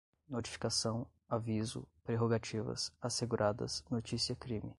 notificação, aviso, prerrogativas, asseguradas, notícia-crime